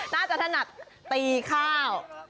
น่าจะถนัดตีข้าว